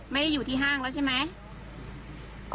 ไม่ได้อยู่ที่ห้างแล้วใช่ไหม